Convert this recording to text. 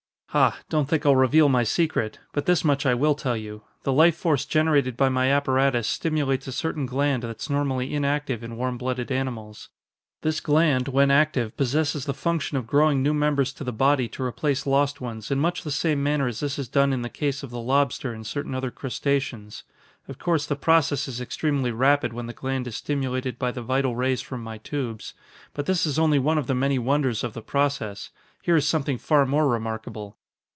"Ha! Don't think I'll reveal my secret. But this much I will tell you: the life force generated by my apparatus stimulates a certain gland that's normally inactive in warm blooded animals. This gland, when active, possesses the function of growing new members to the body to replace lost ones in much the same manner as this is done in case of the lobster and certain other crustaceans. Of course, the process is extremely rapid when the gland is stimulated by the vital rays from my tubes. But this is only one of the many wonders of the process. Here is something far more remarkable."